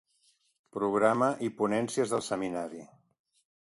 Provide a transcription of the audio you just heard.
Programa i ponències del seminari.